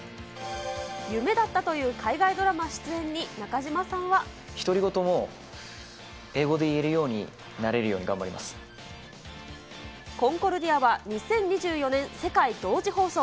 夢だったという海外ドラマ出演に中島さんは。独り言も英語で言えるようにコンコルディアは２０２４年、世界同時放送。